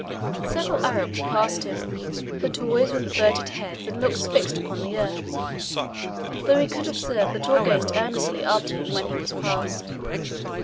Several Arabs passed him, but always with averted heads and looks fixed upon the earth, though he could observe that all gazed earnestly after him when he was past.